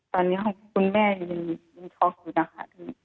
ตอนนี้ของคุณแม่ยังคลอคุณนะคะ